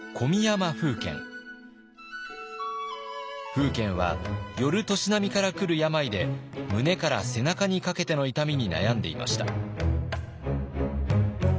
楓軒は寄る年波から来る病で胸から背中にかけての痛みに悩んでいました。